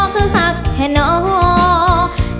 คือคักแห่นหนอ